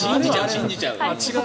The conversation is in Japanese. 信じちゃう！